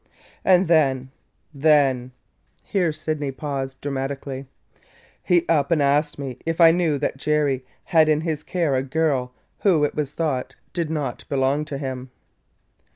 And then – then," here Sydney paused dramatically, "he up and asked me if I knew that Jerry had in his care a girl who, it was thought, did not belong to him!